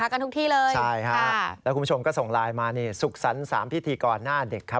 ขอบคุณค่ะสุขคับกันทุกที่เลยค่ะ